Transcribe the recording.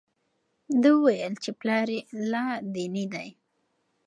ده وویل چې پلار یې لادیني دی.